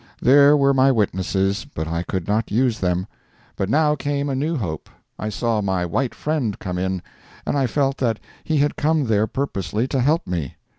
There were my witnesses, but I could not use them. But now came a new hope. I saw my white friend come in, and I felt that he had come there purposely to help me.